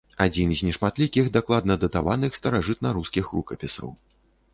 Адзін з нешматлікіх дакладна датаваных старажытнарускіх рукапісаў.